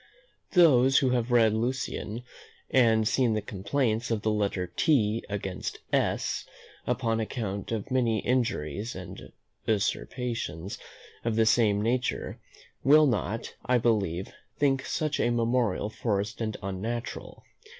Those who have read Lucian, and seen the complaints of the letter T against S, upon account of many injuries and usurpations of the same nature, will not, I believe, think such a memorial forced and unnatural.